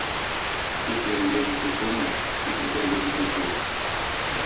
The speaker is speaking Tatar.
Сүз бирергә җитез булма, сүз үтәргә җитез бул.